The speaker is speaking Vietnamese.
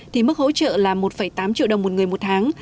thì mức hỗ trợ là một tám triệu đồng một người một tháng